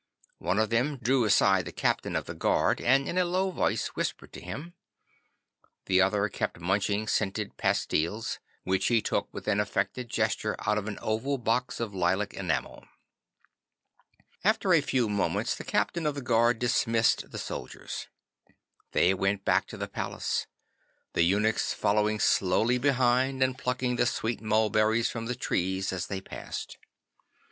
One of them drew aside the captain of the guard, and in a low voice whispered to him. The other kept munching scented pastilles, which he took with an affected gesture out of an oval box of lilac enamel. 'After a few moments the captain of the guard dismissed the soldiers. They went back to the palace, the eunuchs following slowly behind and plucking the sweet mulberries from the trees as they passed.